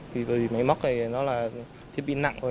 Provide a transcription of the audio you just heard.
vì máy móc này nó là thiết bị nặng